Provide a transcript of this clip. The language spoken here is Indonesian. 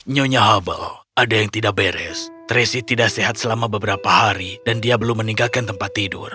nyonya hubble ada yang tidak beres tracy tidak sehat selama beberapa hari dan dia belum meninggalkan tempat tidur